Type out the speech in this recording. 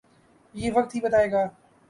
یہ وقت ہی بتائے گا۔